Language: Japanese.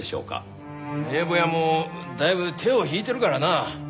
名簿屋もだいぶ手を引いてるからな。